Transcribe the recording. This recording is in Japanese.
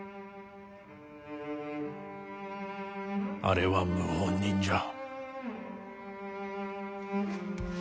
あれは謀反人じゃ。